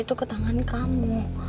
itu ke tangan kamu